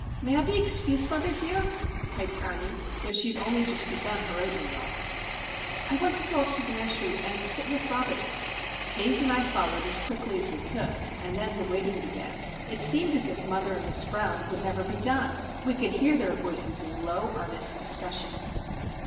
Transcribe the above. "May I be excused, mother dear?" piped Ernie,—though she had only just begun her oaten meal. "I want to go up to the nursery and sit with Robin." Haze and I followed as quickly as we could, and then the waiting began. It seemed as if mother and Miss Brown would never be done. We could hear their voices in low, earnest discussion.